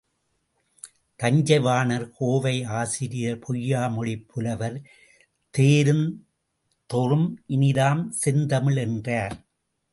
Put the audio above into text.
தஞ்சைவாணன் கோவை ஆசிரியர் பொய்யா மொழிப் புலவர், தேருந்தொறும் இனிதாம் செந்தமிழ் என்றார்.